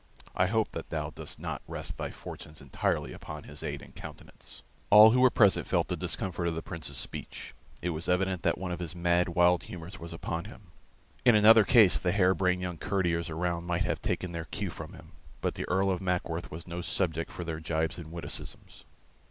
I hope that thou dost not rest thy fortunes entirely upon his aid and countenance." All who were present felt the discomfort of the Prince's speech, It was evident that one of his mad, wild humors was upon him. In another case the hare brained young courtiers around might have taken their cue from him, but the Earl of Mackworth was no subject for their gibes and witticisms.